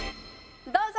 どうぞ！